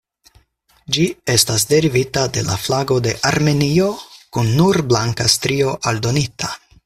Ĝi estas derivita de la flago de Armenio, kun nur blanka strio aldonita.